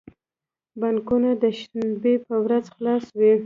بانکونه د شنبی په ورځ خلاص وی